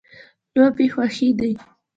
لوبې خوښې دي.